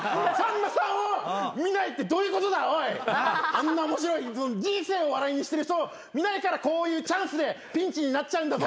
あんな面白い人生を笑いにしてる人を見ないからこういうチャンスでピンチになっちゃうんだぞ。